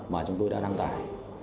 mà chúng tôi đã đăng tải